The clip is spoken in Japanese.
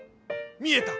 見えた。